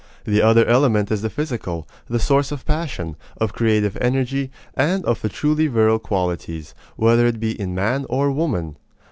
The other element is the physical, the source of passion, of creative energy, and of the truly virile qualities, whether it be in man or woman.